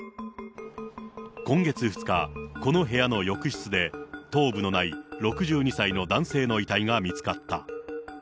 今月２日、この部屋の浴室で、頭部のない６２歳の男性の遺体が見つかった。